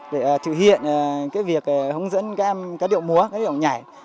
để thực hiện cái việc hướng dẫn các em các điệu múa các ông nhảy